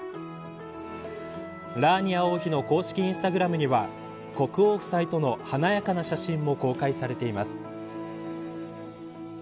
ラーニア王妃の公式インスタグラムには国王夫妻との華やかな写真も公開されています。